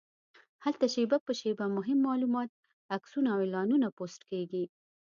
هلته شېبه په شېبه مهم معلومات، عکسونه او اعلانونه پوسټ کېږي.